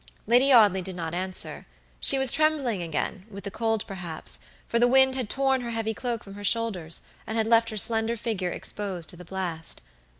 Lady Audley did not answer. She was trembling again, with the cold perhaps, for the wind had torn her heavy cloak from her shoulders, and had left her slender figure exposed to the blast.